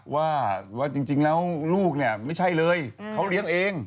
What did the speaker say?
ว่าจริงแล้วลูกเนี่ยไม่ใช่เลยเขาเลี้ยงเอง